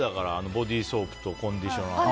ボディーソープとコンディショナーと。